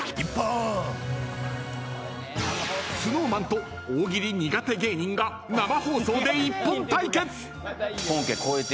ＳｎｏｗＭａｎと大喜利苦手芸人が生放送でＩＰＰＯＮ対決。